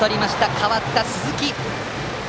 代わった鈴木。